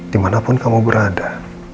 dimanapun kamu berada